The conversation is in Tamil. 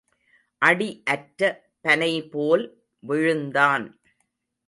அடி அற்ற பனைபோல் விழுந்தான்.